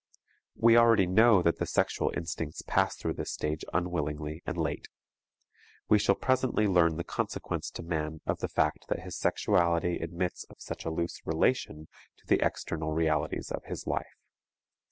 We already know that the sexual instincts pass through this stage unwillingly and late. We shall presently learn the consequence to man of the fact that his sexuality admits of such a loose relation to the external realities of his life.